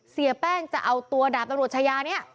เสียแป้งจะเอาตัวดาบตำรวจชายาเนี่ย